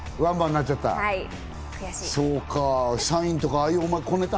ワンバンになっちゃいました。